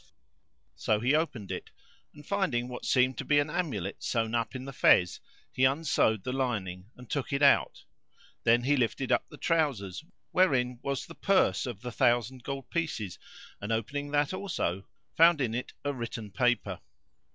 [FN#442] So he opened it and, finding what seemed to be an amulet sewn up in the Fez, he unsewed the lining and took it out; then he lifted up the trousers wherein was the purse of the thousand gold pieces and, opening that also, found in it a written paper.